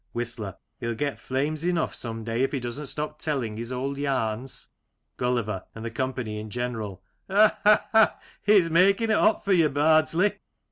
Whistler : He'll get flames enough some day if he doesn't stop telling his old yarns. Gulliver and the company in general : Ha ! ha ! ha ! He's making it hot for you, Bardsley.